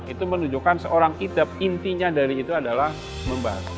itu menunjukkan seorang hidup intinya dari itu adalah membaca